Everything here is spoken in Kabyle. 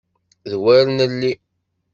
D wer nelli!